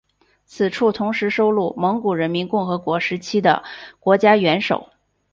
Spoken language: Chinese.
此处同时收录蒙古人民共和国时期的国家元首。